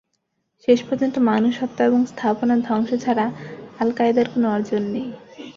শেষ পর্যন্ত মানুষ হত্যা এবং স্থাপনা ধ্বংস ছাড়া আল-কায়েদার কোনো অর্জন নেই।